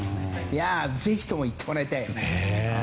ぜひとも行ってもらいたいね。